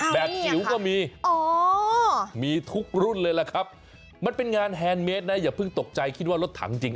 จิ๋วก็มีมีทุกรุ่นเลยล่ะครับมันเป็นงานแฮนดเมสนะอย่าเพิ่งตกใจคิดว่ารถถังจริง